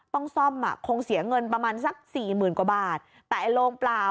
ต้องซ่อมอ่ะคงเสียเงินประมาณสักสี่หมื่นกว่าบาทแต่ไอ้โรงเปล่า